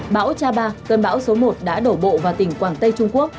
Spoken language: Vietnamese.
bão chaba cơn bão số một đã đổ bộ vào tỉnh quảng tây trung quốc